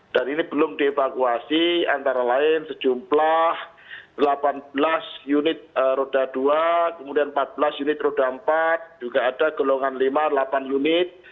dan ini belum dievakuasi antara lain sejumlah delapan belas unit roda dua kemudian empat belas unit roda empat juga ada gelongan lima delapan unit